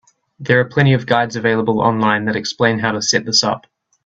There are plenty of guides available online that explain how to set this up.